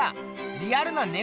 リアルなね